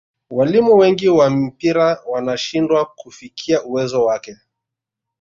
walimu wengi wa mpira wanashindwa kufikia uwezo wake